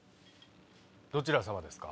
どちら様ですか？